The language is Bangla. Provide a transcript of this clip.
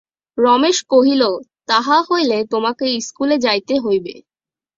রমেশ কহিল, তাহা হইলে তোমাকে ইস্কুলে যাইতে হইবে।